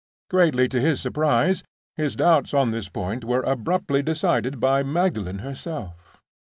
Greatly to his surprise, his doubts on this point were abruptly decided by Magdalen herself.